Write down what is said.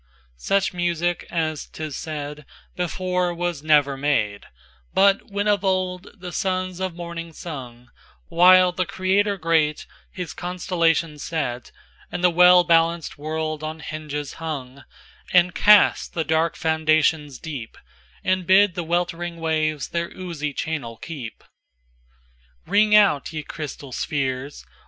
XIISuch music (as 'tis said)Before was never made, But when of old the Sons of Morning sung, While the Creator greatHis constellations set, And the well balanced World on hinges hung, And cast the dark foundations deep, And bid the weltering waves their oozy channel keep. XIIIRing out, ye crystal spheres!